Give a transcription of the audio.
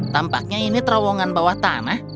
tampaknya ini terowongan bawah tanah